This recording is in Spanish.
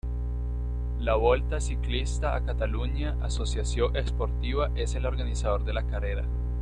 La Volta Ciclista a Catalunya Associació Esportiva es el organizador de la carrera.